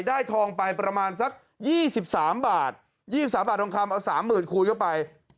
ได้ทองไปประมาณสักยี่สิบสามบาทยี่สิบสามบาททองคำเอาสามหมื่นคูยเข้าไป